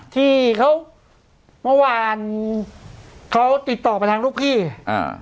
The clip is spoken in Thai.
ที่เขาเมื่อวานเขาติดต่อไปทางลูกพี่อ่า